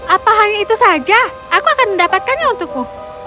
apa hanya itu saja aku akan mendapatkannya untukmu